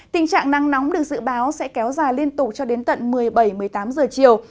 tình trạng nắng nóng được dự báo sẽ kéo dài liên tục cho đến tận một mươi bảy một mươi tám giờ chiều